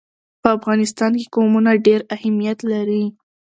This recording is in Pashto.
په افغانستان کې قومونه ډېر اهمیت لري.